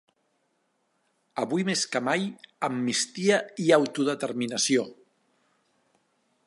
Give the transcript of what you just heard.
Avui més que mai; amnistia i autodeterminació.